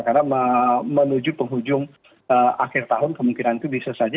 karena menuju penghujung akhir tahun kemungkinan itu bisa saja